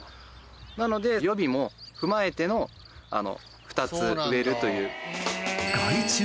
なので予備も踏まえての２つ植えるという。